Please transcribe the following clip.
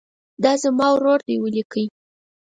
دا زما ورور دی ولیکئ.